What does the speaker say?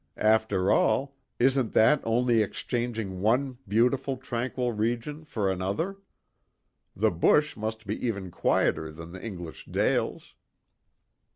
After all, isn't that only exchanging one beautiful, tranquil region for another? The bush must be even quieter than the English dales."